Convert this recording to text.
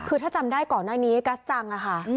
คือถ้าจำได้ก่อนหน้านี้กัสจังอะค่ะ